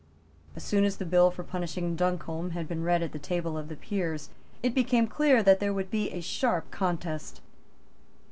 As soon as the bill for punishing Duncombe had been read at the table of the Peers, it became clear that there would be a sharp contest.